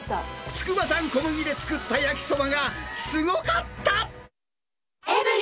つくば産小麦で作った焼きそばがすごかった。